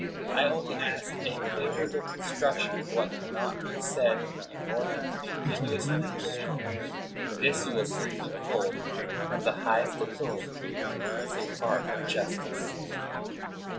I only ask a favorable construction of what can not be said to be more than ambiguous lan guage, and this you will soon be told, from the highest authority, is a part of justice.